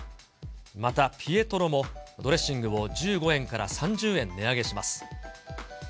またピエトロもドレッシングを１５円から３０円値上げします。